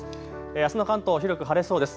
あすの関東、広く晴れそうです。